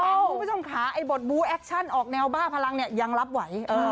คุณผู้ชมค่ะไอ้บทบู้แอคชั่นออกแนวบ้าพลังเนี่ยยังรับไหว